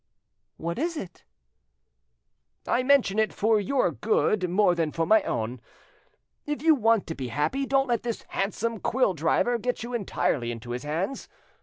"What is it?" "I mention it for your good more than for my own. If you want to be happy, don't let this handsome quill driver get you entirely into his hands.